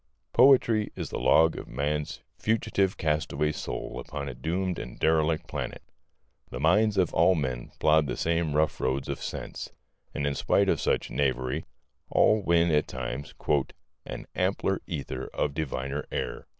Poetry is the log of man's fugitive castaway soul upon a doomed and derelict planet. The minds of all men plod the same rough roads of sense; and in spite of much knavery, all win at times "an ampler ether, a diviner air."